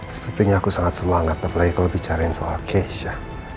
sepertinya aku sangat semangat apalagi kalau bicarain soal keisha